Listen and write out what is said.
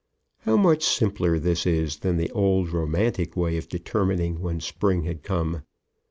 "] How much simpler this is than the old, romantic way of determining when Spring had come!